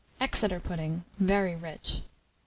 EXETER PUDDING. (Very rich.)